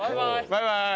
バイバイ。